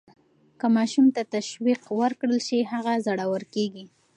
که ماشوم ته تشویق ورکړل شي، هغه زړور کیږي.